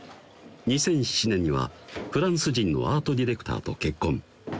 ２００７年にはフランス人のアートディレクターと結婚